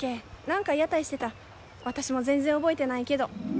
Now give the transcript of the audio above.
何か屋台してた私も全然覚えてないけど。